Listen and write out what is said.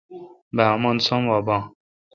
بہ امن سوم وا بھا۔